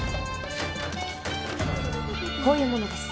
こういう者です。